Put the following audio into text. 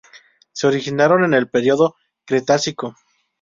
Se originaron en el período Cretácico.